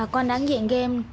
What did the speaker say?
con đã nghiện game